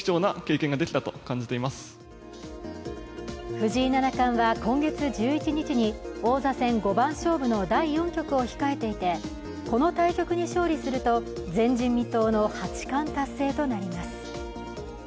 藤井七冠は今月１１日に王座戦五番勝負の第４局を控えていてこの対局に勝利すると、前人未到の八冠達成となります。